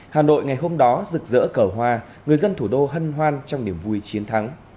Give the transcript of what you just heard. hà nội ngày hôm đó rực rỡ cờ hoa người dân thủ đô hân hoan trong niềm vui chiến thắng